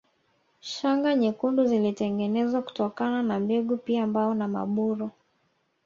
Shanga nyekundu zilitengenezwa kutokana na mbegu pia mbao na maburu